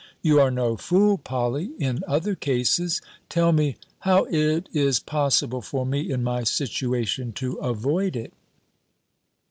You are no fool, Polly, in other cases. Tell me, how it is possible for me, in my situation, to avoid it?"